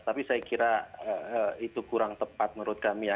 tapi saya kira itu kurang tepat menurut kami ya